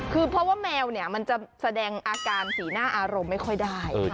คือเพราะว่าแมวเนี่ยมันจะแสดงอาการสีหน้าอารมณ์ไม่ค่อยได้